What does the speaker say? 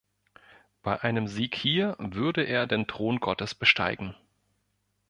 Bei einem Sieg hier würde er den Thron Gottes besteigen.